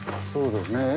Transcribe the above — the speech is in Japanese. そうですね。